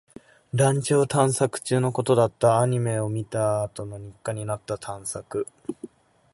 団地を探索中のことだった。アニメを見たあとの日課になった探索。